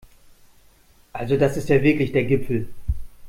Also das ist ja wirklich der Gipfel!